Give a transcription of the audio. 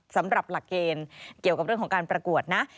สำหรับหลักเกณฑ์เกี่ยวกับเรื่องของการประกวดนะ